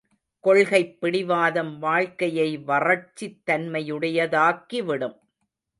கொள்கைப் பிடிவாதம் வாழ்க்கையை வறட்சித் தன்மையுடையதாக்கிவிடும்.